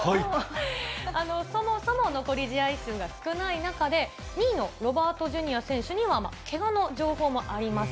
そもそも残り試合数が少ない中で、２位のロバートＪｒ．選手には、けがの情報もあります。